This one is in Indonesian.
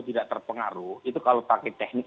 tidak terpengaruh itu kalau pakai teknik